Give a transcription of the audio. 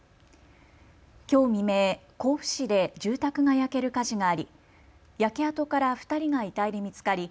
きょう未明、甲府市で住宅が焼ける火事があり焼け跡から２人が遺体で見つかり